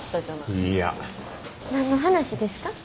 いや。何の話ですか？